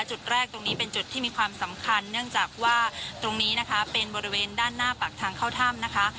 จุดแรกตรงนี้เป็นจุดที่มีความสำคัญเนื่องจากว่าตรงนี้นะคะเป็นบริเวณด้านหน้าปากทางเข้าถ้ำนะคะ